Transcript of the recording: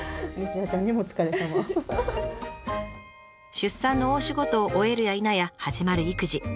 出産の大仕事を終えるやいなや始まる育児。